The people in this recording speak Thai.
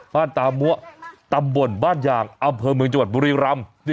ตามัวตำบลบ้านยางอำเภอเมืองจังหวัดบุรีรำ